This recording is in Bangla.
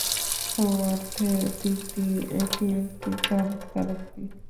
ও অর্থের দিক দিয়ে এটি একটি চমৎকার উক্তি।